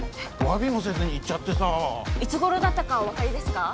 詫びもせずに行っちゃってさいつ頃だったかお分かりですか？